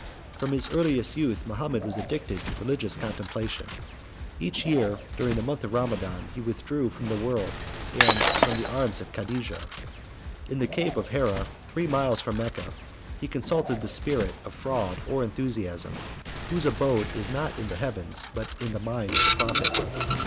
From his earliest youth Mahomet was addicted to religious contemplation; each year, during the month of Ramadan, he withdrew from the world, and from the arms of Cadijah: in the cave of Hera, three miles from Mecca, 73 he consulted the spirit of fraud or enthusiasm, whose abode is not in the heavens, but in the mind of the prophet.